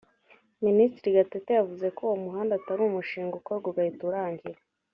Minisitiri Gatete yavuze ko uwo muhanda atari umushinga ukorwa ugahita urangira